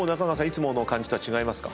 いつもの感じとは違いますか？